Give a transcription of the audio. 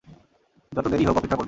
যত দেরিই হোক অপেক্ষা করব।